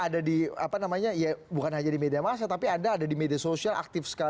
ada di apa namanya antara media sosial dan media sosial ya itu juga berbeda ya